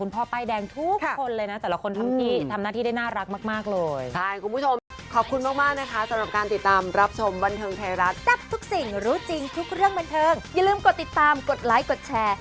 ติดตามกดไลค์กดแชร์